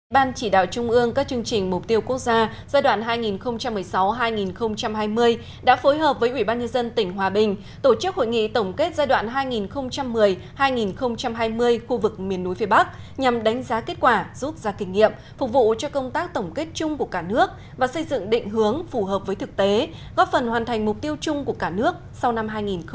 ban chỉ đạo trung ương các chương trình mục tiêu quốc gia giai đoạn hai nghìn một mươi sáu hai nghìn hai mươi đã phối hợp với ubnd tỉnh hòa bình tổ chức hội nghị tổng kết giai đoạn hai nghìn một mươi hai nghìn hai mươi khu vực miền núi phía bắc nhằm đánh giá kết quả giúp ra kinh nghiệm phục vụ cho công tác tổng kết chung của cả nước và xây dựng định hướng phù hợp với thực tế góp phần hoàn thành mục tiêu chung của cả nước sau năm hai nghìn hai mươi